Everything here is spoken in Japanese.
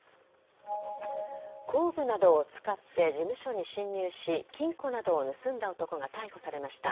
工具などを使って事務所に侵入し金庫などを盗んだ男が逮捕されました。